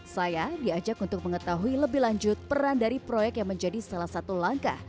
saya diajak untuk mengetahui lebih lanjut peran dari proyek yang menjadi salah satu langkah